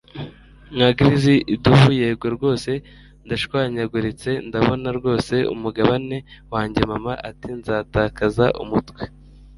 Nka grizzly idubu yego rwose ndashwanyaguritse ndabona rwose umugabane wanjyeMama ati nzatakaza umutwe